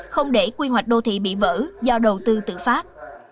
không để quy hoạch đô thị bị vỡ do đầu tư tự phát